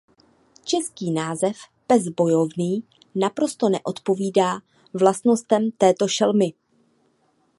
Český název "pes bojovný" naprosto neodpovídá vlastnostem této šelmy.